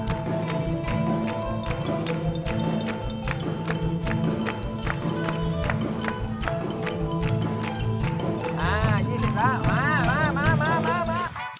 อ่า๒๐แล้วมามามามามามา